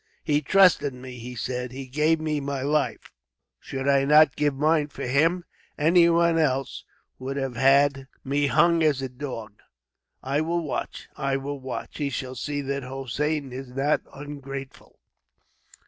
"He trusted me," he said. "He gave me my life. Should I not give mine for him? Anyone else would have had me hung as a dog. I will watch. I will watch. He shall see that Hossein is not ungrateful."